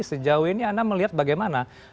sejauh ini anda melihat bagaimana